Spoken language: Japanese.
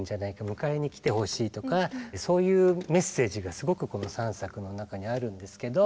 迎えに来てほしいとかそういうメッセージがすごくこの３作の中にあるんですけど。